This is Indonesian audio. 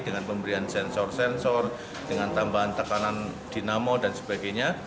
dengan pemberian sensor sensor dengan tambahan tekanan dinamo dan sebagainya